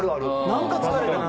「何か疲れたな」